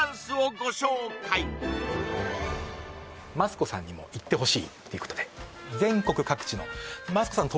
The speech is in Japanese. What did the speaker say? マツコさんにも行ってほしいということで全国各地のマツコさん